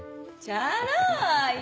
チャラい！